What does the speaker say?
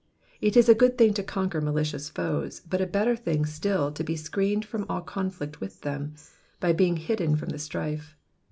It is a good thing to conquer malicious foes, but a better thing still to be screened from all conflict with them, by being hidden from the strife.